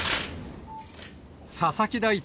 佐々木大地